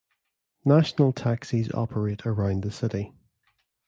National Taxis operate around the city.